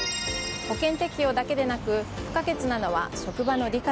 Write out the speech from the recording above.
保険適用だけでなく不可欠なのは職場の理解。